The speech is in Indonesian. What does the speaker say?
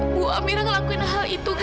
bu amira ngelakuin hal itu